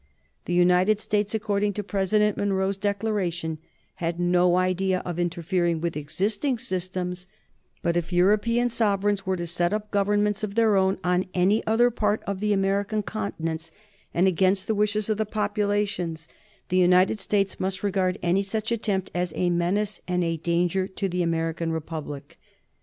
The United States, according to President Monroe's declaration, had no idea of interfering with existing systems, but if European sovereigns were to set up governments of their own on any other part of the American continents and against the wishes of the populations, the United States must regard any such attempt as a menace and a danger to the American Republic.